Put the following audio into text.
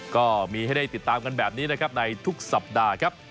ก็มีให้ได้ติดตามกันแบบนี้นะครับในทุกสัปดาห์ครับ